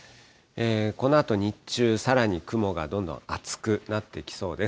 このあと日中、さらに雲がどんどん厚くなってきそうです。